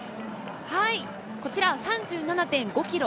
こちら３７．５キロ